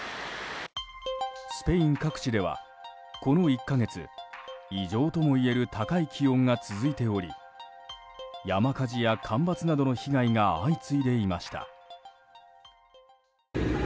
スペイン各地ではこの１か月異常ともいえる高い気温が続いており山火事や干ばつなどの被害が相次いでいました。